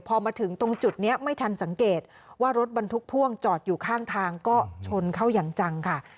พอมาถึงตรงจุดนี้ไม่ทันสังเกตว่ารถบรรทุกพ่วงจอดอยู่ข้างทางก็ชนเข้าอย่างจังค่ะ